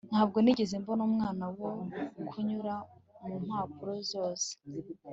ntabwo nigeze mbona umwanya wo kunyura mu mpapuro zose